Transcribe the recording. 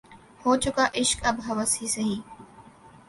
ہو چکا عشق اب ہوس ہی سہی